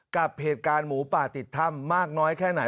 กับเหตุการณ์หมูป่าติดถ้ำมากน้อยแค่ไหน